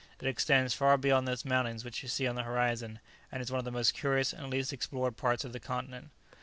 It extends far beyond those mountains which you see on the horizon, and is one of the most curious and least explored parts of the continent."